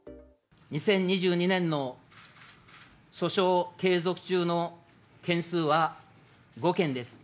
２０２２年の訴訟継続中の件数は５件です。